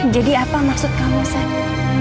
jadi apa maksud kamu seth